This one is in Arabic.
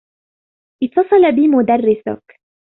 اتّصل بي مدرّسك.